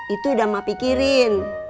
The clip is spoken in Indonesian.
itu udah emak pikirin